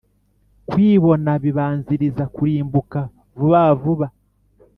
kwibona bibanziriza kurimbuka vuba vuba